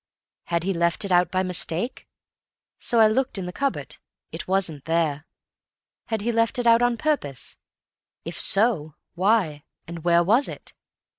Had he left it out by mistake? So I looked in the cupboard. It wasn't there. Had he left it out on purpose? If so, why?—and where was it?